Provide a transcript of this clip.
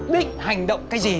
định hành động cái gì